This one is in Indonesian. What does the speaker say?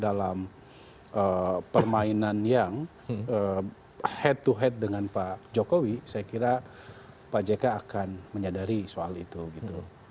dalam permainan yang head to head dengan pak jokowi saya kira pak jk akan menyadari soal itu gitu